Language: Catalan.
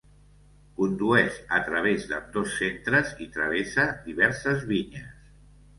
Condueix a través d'ambdós centres i travessa diverses vinyes.